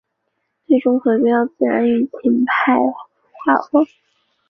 最终回归到自然的抒情派画风。